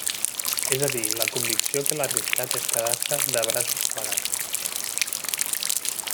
És a dir, la convicció que l'arriscat és quedar-se de braços plegats.